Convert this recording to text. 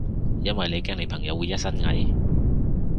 因為你驚你朋友會一身蟻？